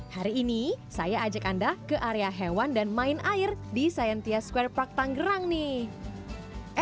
hari ini saya ajak anda ke area hewan dan main air di scientia square park tanggerang nih